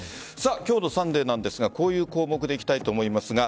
今日の「サンデー」なんですがこういう項目でいきたいと思いますが。